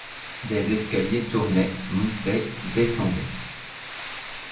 Des escaliers tournaient, montaient, descendaient.